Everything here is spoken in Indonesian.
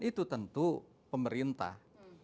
itu tentu pemerintah